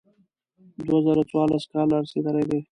دوه زره څوارلسم کال را رسېدلی دی.